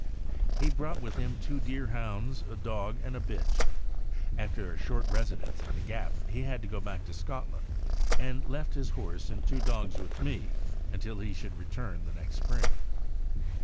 He brought with him two Deer hounds, a dog and a bitch. After a short residence at the Gap he had to go back to Scotland, and left his horse and THE SCOTCH DEERHOUND. 183 two dogs with me until he should return the next spring.